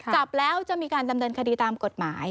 จับแล้วจะมีการดำเนินคดีตามกฎหมาย